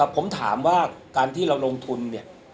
ผมถามว่าการที่เราลงทุนเนี่ย